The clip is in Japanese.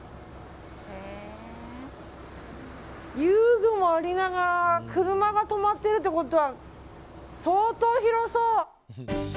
遊具もありながら車が止まってるってことは相当、広そう！